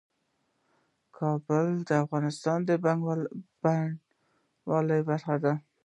کابل د افغانستان د بڼوالۍ برخه ده.